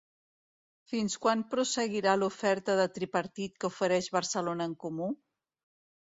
Fins quan prosseguirà l'oferta de tripartit que ofereix Barcelona en Comú?